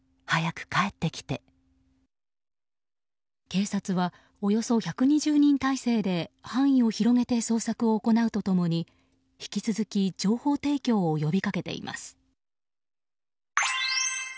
警察はおよそ１２０人態勢で範囲を広げて捜索を行うと共に引き続き情報提供を呼びかけています。